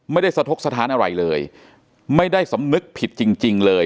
สะทกสถานอะไรเลยไม่ได้สำนึกผิดจริงเลย